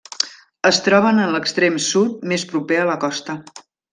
Es troben en l'extrem sud més proper a la costa.